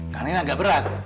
karena ini agak berat